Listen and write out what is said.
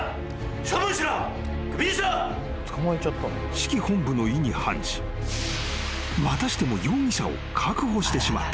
［指揮本部の意に反しまたしても容疑者を確保してしまった］